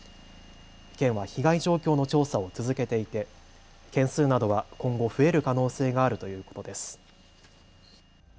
県は被害状況の調査を続けていて件数などは今後、増える可能性があるということです。